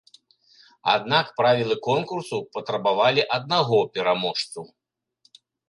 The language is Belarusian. Аднак правілы конкурсу патрабавалі аднаго пераможцу.